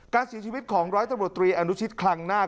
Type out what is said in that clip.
การเสียชีวิตของร้อยตำรวจตรีอนุชิตคลังนาค